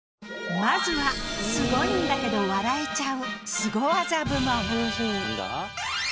まずはすごいんだけど笑えちゃう。